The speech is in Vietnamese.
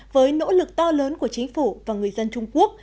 với nỗ lực to lớn của chính phủ và người dân trung quốc